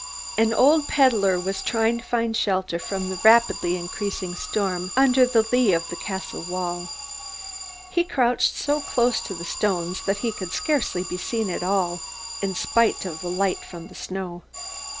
An old peddler was trying to find shelter from the rapidly increasing storm under the lea of the castle wall. He crouched so close to the stones that he could scarcely be seen at all, in spite of the light from the snow.